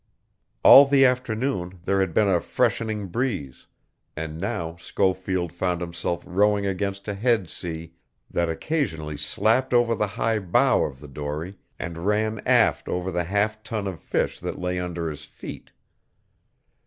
All the afternoon there had been a freshening breeze, and now Schofield found himself rowing against a head sea that occasionally slapped over the high bow of the dory and ran aft over the half ton of fish that lay under his feet.